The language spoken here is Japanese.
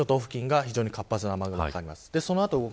伊豆諸島に非常に活発な雨雲がかかります。